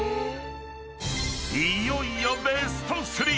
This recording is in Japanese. ［いよいよベスト３！